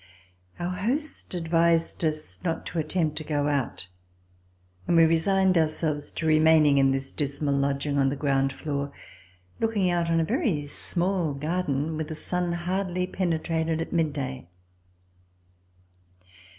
Our host advised us not to attempt to go out, and we resigned ourselves to remaining in this dismal lodging on the ground floor, looking out on a very small garden where the sun hardly penetrated at midday.